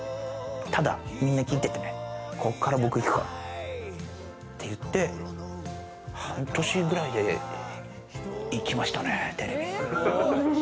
ただみんな聞いててね、こっから僕行くからって言って、半年くらいで行きましたね、テレビ。